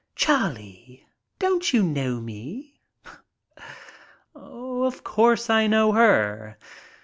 "Charlie, don't you know me?" Of course I know her.